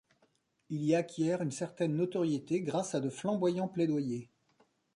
Il y acquiert une certaine notoriété grâce à de flamboyants plaidoyers.